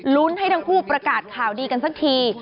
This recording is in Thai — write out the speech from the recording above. ให้ทั้งคู่ประกาศข่าวดีกันสักที